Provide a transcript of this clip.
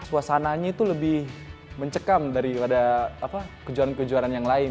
suasananya itu lebih mencekam daripada kejuaraan kejuaraan yang lain